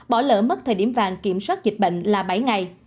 bỏ lỡ mất thời điểm vàng kiểm soát dịch bệnh là bảy ngày